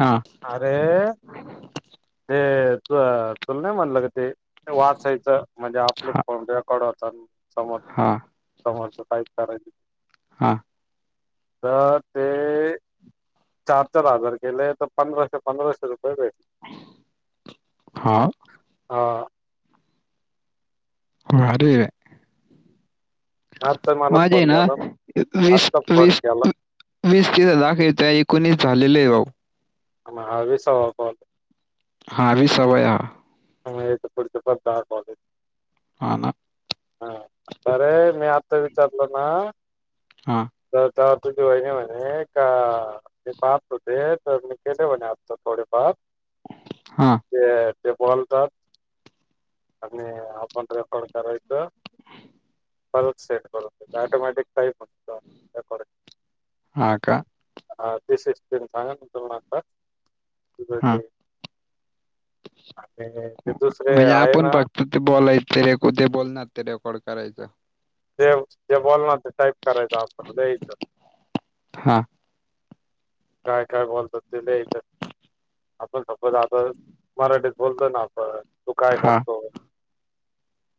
हा अरे ते तू तुला नाही म्हनलं ग ते वाचायचं म्हणजे आपले हा फोन रेकॉर्ड होत समोर हा समोर काय हा तर ते चार चार हजार केले तर पंधराशे पंधराशे रुपय हा ह ह अरेर आजचा मला माझे फोन ना झाला वीस आत्ता फोन वीस केला वीस तीस हदाखरत एकोणीस झालेले भाव आ म ह सवा पाल हा वी सवय हा हेत पुच पॉ ह ना हा अरे मी आता विचारलो ना हा तर दुी होईन म्ह का पाप होतेे तर म केले म्ह आपत डे पाप हा ते टेबॉल आणि आपण रेकॉर्ड करायचं पल् सेट करून ऑटोमॅटिक प आ का ह ते सांगंतरगतात हा म्हणजे आहे आपण ना फक्त ते बोलायच रे कठे बोलणार ते रेकॉर्ड करायचं ते जे बोल ना ते टाईप करायचं आपण दच हा काय काय बोलतो तला इथ आपण सपोज आ मराठीत बोलतो ना आपण तू काय हा करतो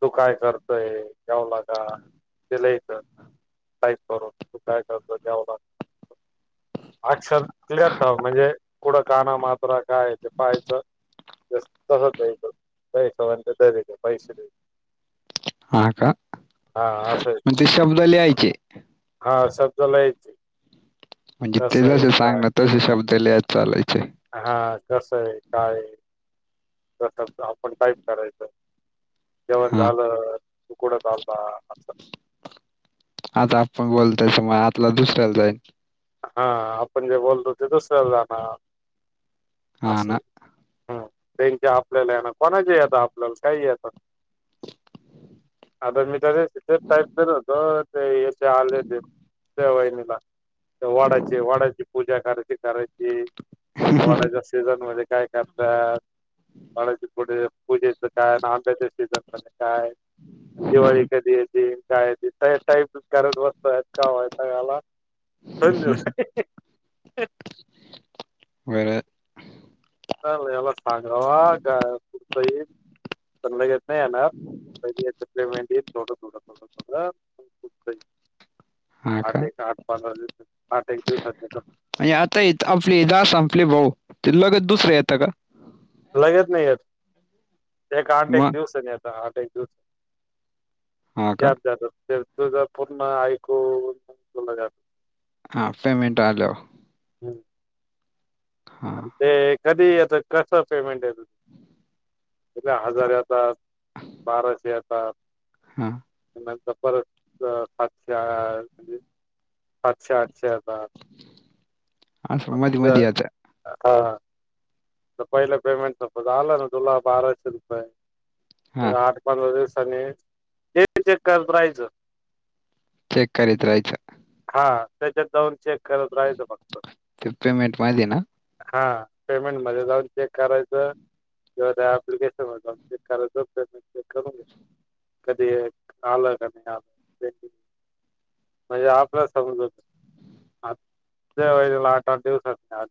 तू काय करतय गव लाग दिलायच काहीच करून तू काय करतो द्यावं लागता [inaudible] ठेव म्हणजे कुठं काना सह बै पैसवंत रीिक मैस दे हा का हा म्हणजे असच शब्द लिहायचे हा शबदलायचे म्हणजे ते जसे सांगण तसे शब्द लिया चालाय हा कस आहे काय कत आपण काही करायचं जेवण हा झालं तू कड लला असं आता आपण बोलताय स म आतला दुसऱ्याला जाईन हा आपण जे बोलतो ते दुसर्या जाणार हा अस ना हाय हम्म. त्यांच्या आपल्याला आहे ना कोणाच्या येतं आपल्याला काही येतात आता मी [unintelligible] टाईप करत होतो ते याचे आले ते त्या वहिनीला त्या वडाची वडाची पूजा करायची करायची वडाच्या सीझनमध्ये काय करतात वडाच्या पुढं पूजेच काय अन् आंब्याच्या सीझनमध्ये काय दिवाळी कधी येेते काय येते त्या टाईपच करत बस त इतका वैताग आला दोन दिवस [unintelligible] च याला सांगावा का त येईल पण लगेच नाही येणार पहिली एकच [unintelligible] थोडं थोडं थोडं थोडं हा आठ का एक आठ पंधरा दिवस आठ एक दिवस आणि आता आपली दास आपली भाऊ ते लगत दुसरे येतं का? लगेच नाही येत, एक आठ एक मग दिवसांनी येतं आठ एक दिवस हा का कॅब जातात तुझं पुर्ण आयको तुला जात हाफ पेमेंट आलं. हम्म हा आणि ते कधी आता कस पेमेंट येत हजार येतात बाराशे येतात हा. नंतर परत सातशे म्हणजे सातशे आठशे येतात. आस मधी मधी जर येत. हा पहिलं पेमेंट आला ना तुला बाराशे हा रुपये आठ पंधरा दिवसानी ते चेक करत राहायचं. चेक करीत राहायचं. हा त्याच्यात जाऊन चेक करत राहायचं फक्त ते पेमेंट मध्ये ना हा. पेमेंट मध्ये जाऊन चेक करायचं, नाही तर एप्लिकेशन वर जाऊन चेक करायचं, पेमेंट चेक करून घ्यायचं कधी आलं क नाही आलं म्हणजे समज [unintelligible] आठ आठ दिवस आ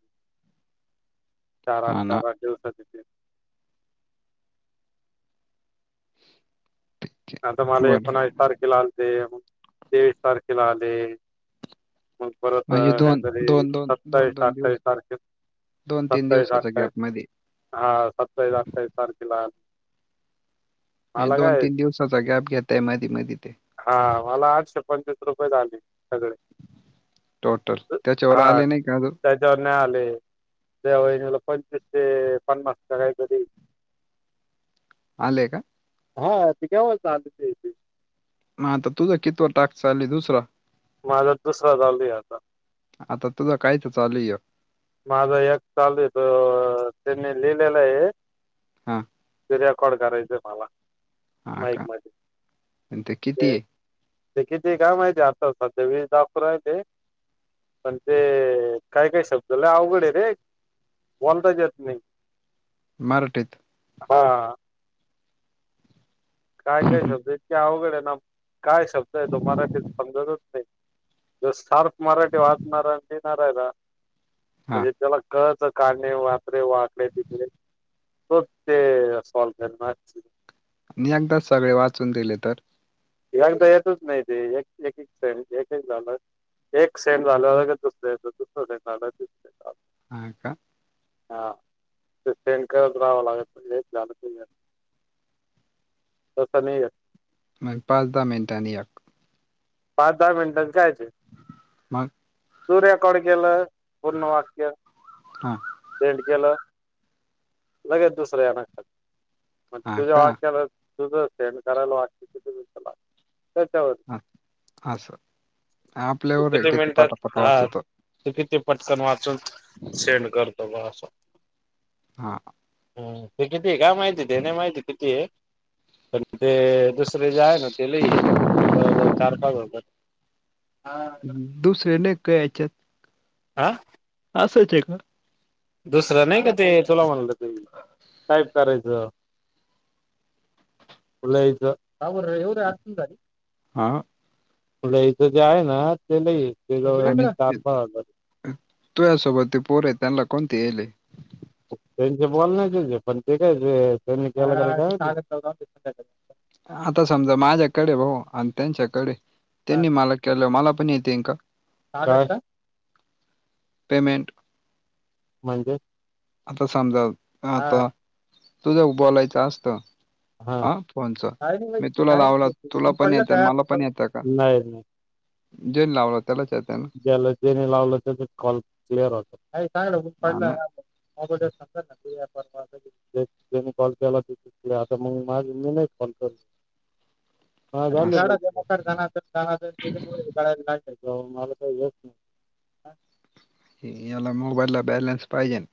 [inaudible] चार आठ हा ना चार आठ दिवसाची आता मला एक बरं एकोणावीस तारखेला आलते मग तेवीस तारखेला आले मग परत म्हणजे दोन काहीतरी दोन दोन दोन सत्तावीस दोन अठ्ठावीस दिवस तारखे दोन तीन सत्तावीस दिवसाचा अठ्ठावीस गॅप मध्ये हा सत्तावीस अठ्ठावीस तारखेला म्हणे मला दोन काय तीन दिवसाचा गॅप घेतय मधी मधी ते आम्हाला आठशे पंचवीस रुपये झाले. सगळे टोटल त्याच्यावर हा आले नाही का अजून त्याच्यावर नाय आले. त्या वहिनीला पंचवीस ते पन्नास करायचे तरी आलेय का? हा ती केव्हाच चालू आहे इथे म आता तुझा कितवा टाक चालू आहे? दुसरा माझा दुसरा चालु आहे आता. चालयं माझा एक चालू आहे त त्यांनी लिहिलेला आहे. हा! खोड करायचंय मला. हा माईक का? मध्ये आणि ते किती आहे? ते किती काय माहिती आता ते आता सध्या अपुर आहे ते, पण ते काय काय शब्द लय अवघड आहे ते, कोणताच येत नाही. मराठीत. हा काय काय हा शब्द इतके अवघड आहे ना काय शब्द आहे तो मराठीत समजतच नाही. ज सार्प मराठी वाचणार आणि लिहिणार आहे आहे ना? म्ह त्याला कळत काणे वापरे वा आकडे बिकडे तो ते सॉल्व करणार, मी अदा सगळे वाचून दिले तर, एकदा येतच नाही ते एक एक एक स एक झालं. एक सेंट झाले दुसरे दुसरं सेंट झाला तिस सें झा ह का? हा ते सेंड करत राहावं लागत हेच झालं त सं नाही आहे म पाच दहा मिनटांनी या पाच दहा मिनिटांचं काय मग, तू रेकॉर्डिंग केेलं पूर्ण वाक्य हा भेट केलं. लगेच दुसर्या येख म हा तुझ्या का वाक्याला. तुझं सेंड करायला वाटते तिथ, हा अस स आपल्यावर आहे किती पाटापाट वाचतो. त किती पटकन वाचून सेंड करतो म असं. हा! ह ते किती काय माहिती दे नाही, माहिती किती आहे. पण ते दुसरे जे आहे ना ते ल जवळ- जवळ चार पाच होजात दुसरे नाही क यायच्यात, आह! असयच आहे का? दुसर नाही का ते तुला म्हणलं ते काय करायचं. अचब एवे आ [unintelligible] ह. ल हचं जे आहे ना ते ल आणि तु या्यासोबत ते पोर आहे त्यांना कोणते येले. त्यांचे बोल नाही त्यां पण ते काय त्यांनी के [unintelligible] आता समजा माझ्याकडे भाऊ आणि त्यांच्याकडे त्यांनी मला केलं मला पण, तेंका. का हो का. पेमेंट म्हणजे, आता समजा आता तुझ्या बोलायचं असत, हा का नाही लावला तुला काून पण पडलं येतं आणि मला पण येतं का तयार नाही जे लावलं त्यालाच येतं ना गेल जनी लावलं त्या कॉल क्लिअर होत. [unintelligible] हा ना पडला कॉल केला. [unintelligible] तर मग माझे मी नाही फोन कर [unintelligible] [inaudible] बा असं मला का यच नाही याला मोबाईल ला बॅलेन्स पाहिजे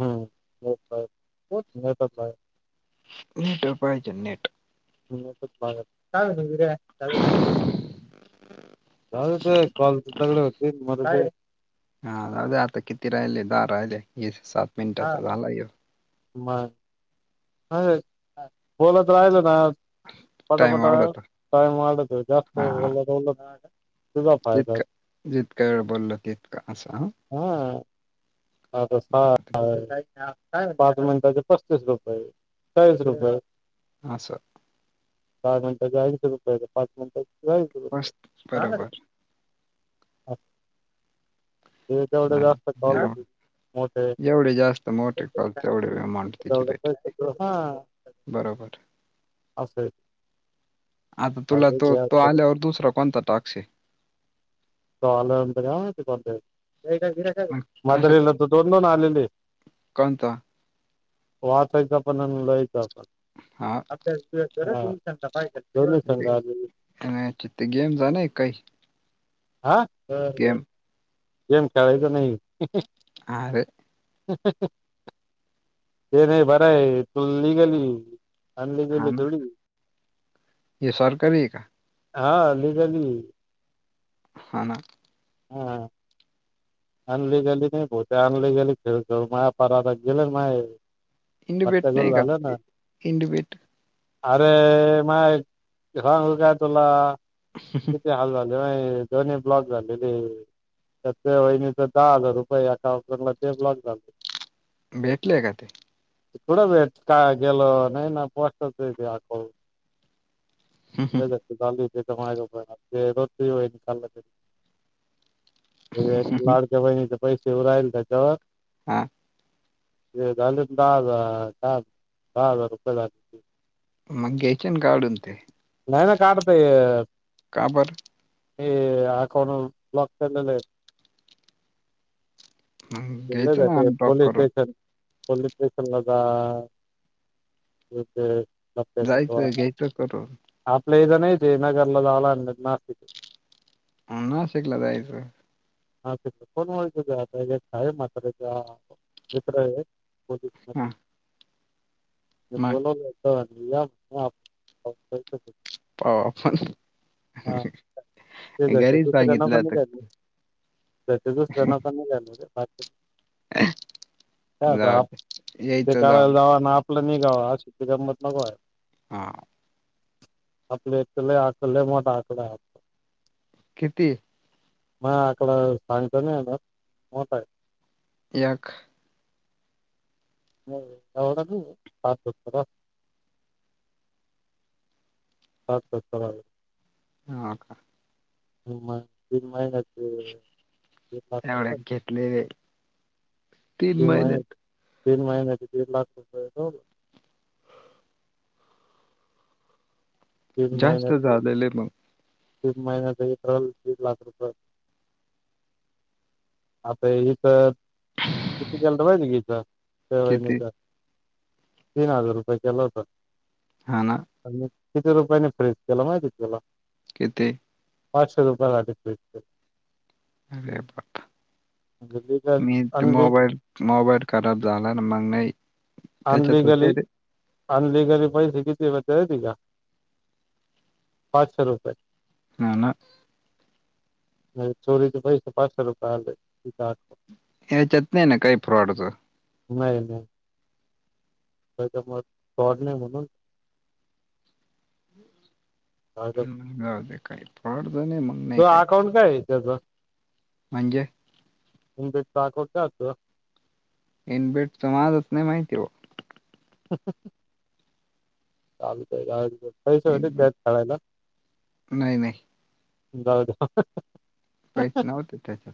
हम्म ब हो नाही तर नेटवरर पाहिजे नेट हम्प ब चाल ने [unintelligible] हा जाऊ दे आता किती राहिले दहा राहिले ये सात मिनिटाचा झाला येव म [unintelligible] बोलत राहिल ना टाइम पटापट वाढवतो कायम वाढतं जास्त हा बोलल जितका जितका बोलल तितक असं हा आता हा पहा पाच मिनिटांचे पस्तीस रुपये चाळीस रुपये असं दहा मिनिटाचे ऐंशी रुपये पाच मिनट [unintelligible] मस्त जाणाराय बरोबर का हे तेवढ हा, जास्त जेव- [unintelligible] मोठे जेवढे जास्त मोठे कॉल तेवढे अमाऊंट तिची पैसे भेटती बरोबर अस आता तुला तो तो आल्यावर दुसरा कोणता टाक्श हाये. तो आल्यानंतर मला नाय महित कोणाता येतो. [unintelligible] मग असं म्हातारीला क- तर दोन दोन आलेले आहे. कोणता वाचायचं पण, लिहायच पण हा आभ्यास बिब्यास करं अ [unintelligible] याच्यातर गेम झा ना एक काही आ बर बर गेम गेम खेळायच नाहीय आरं [unintelligible] ते नाही बरं आहे तू लिगली हाय अनलीगली थोडीच ये सरकारी का हा लिगली हाय हाना हम अनलिगली नाही भाऊ ते अनलिगली खेळ जाऊन माजे पार गेलं न माय इंडीबेट पत्ता गोल नाही का झालं ना इंडीबेट अरे माय सांगू का तुला किती हाल झाले दोन्ही ब्लॉक झालेले सध्या वहिनी दहा हजार रुपये अकाउंटला ते ब्लॉक झाले भेटले का ते कुढं भेटता गेला नाय ना पोस्टात आहे ते आकंऊट [unintelligible] होई [unintelligible] लाडक्या बहिणीचे पैसे येउ राहिले त्याच्यावर हा झाल दहा हजार दहा दहा हजार रुपये झाले मग घ्यायचे ना काढून ते नाही ना काढता येत का बरं हे आकांऊट ब्लाक केलेले आहे मग धरलय घ्यायचं ना ते अनब्लॉक पोलीस करून. स्टेशन पोलिस स्टेशन ला जा [unintelligible] किंवा जायचं घ्यायचं करून आपल्या इथ नाय ते नगरला जाव लागेल नाय तर नाशिक नाशिकला जायचं हा तिथ कोण ओळखीच आहे आता एक तर हाय म्हातारीचा मित्र आहे पोलीसमध्ये हां. मग बोलवल तो म्हंणटला या [unintelligible] पाहु आपण ह हा, ते ह जायचं घरीच सांगितलय आता त्या दुसना पणल काता जाऊ दे. ते यायचं कयला जाऊन. जावा ना आपलं गा शेती गमत नगो आहे हा आपले इले आकले मोठ आकडे आहेत किती म आकड सांगतो ना मोठा आहे एकक नाही एवढं नाही पात अच्छच्छ ह का हम तन महिनच एवढ्या घेतलेले तीन महिन्यात तीन महिना्याचे दीड लाख रुप बरोबर जास्त झालेले मग ती महिनात त्रल तीस लाख रुपया आता इ तरवा गी तेवाहि किती? का तीन हजार रुपये केल होत ह ना किती रुपयाने फ्रेज केला माहितीथला किथे पाचशे रुपय लाट रेपट म्हणजे लिगल मी ते अनलि मोबाईल मोबाईल खराब झाला ना मग नाही त्याच्यात होते अनलिगली र अनलिगली पैसे किती व येत का पाचशे रुपये ना ना चोरीचा पैस पाच सो रुपया आले आठ हे जत नाही काही फ्रॉडत नाही नाही त्याच्या मग कॉडणे म्हणून काही परडत नाही मग नाही काही ते म्हजे नम भेट साखोटेयत येन भेट समाजत् नाही माहिती वा चाल काय पैसे होते इनबेट त्यात काळायला नाही नाही जाऊ जाऊ पैच नव्हते त्याच्यात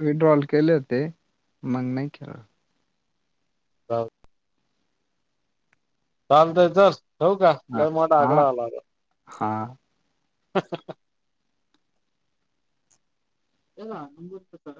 विड्रॉल केले होते मग नाही केलं का चालतय च होऊ का ल मो आकडावा लागे हां ह ह ह एला नम्रतत